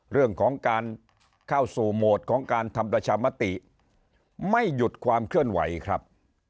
เรื่องของการเข้าสู่โหมดของการทำประชามติไม่หยุดความเคลื่อนไหวครับ